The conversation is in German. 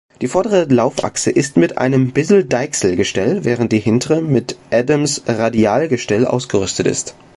Die vordere Laufachse ist mit einem Bissel-Deichselgestell, während die hintere mit Adams-Radialgestell ausgerüstet ist.